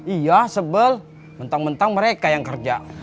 iya sebel mentang mentang mereka yang kerja